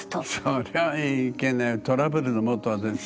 それはいけないトラブルのもとですね。